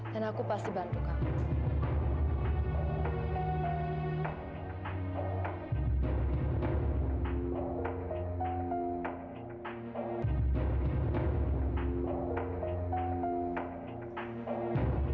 dan aku pasti bantu kamu